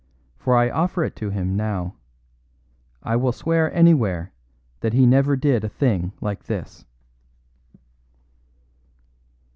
For I offer it him now. I will swear anywhere that he never did a thing like this."